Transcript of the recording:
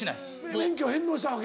免許返納したわけ？